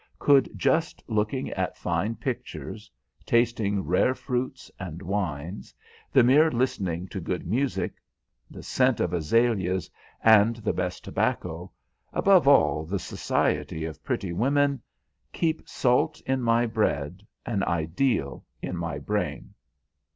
Could just looking at fine pictures, tasting rare fruits and wines, the mere listening to good music, the scent of azaleas and the best tobacco, above all the society of pretty women, keep salt in my bread, an ideal in my brain?